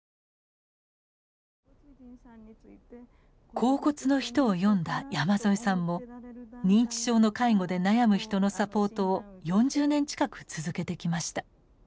「恍惚の人」を読んだ山添さんも認知症の介護で悩む人のサポートを４０年近く続けてきました。